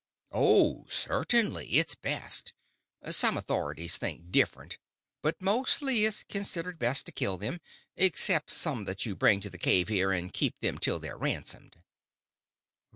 "Oh, certainly. It's best. Some authorities think different, but mostly it's considered best to kill them—except some that you bring to the cave here, and keep them till they're ransomed."